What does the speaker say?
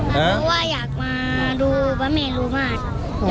เพราะว่าอยากมาดูบ้านแมงรู้มาก